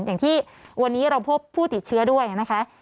อย่างที่วันนี้เราพบผู้ติดเชื้อด้วยนะคะ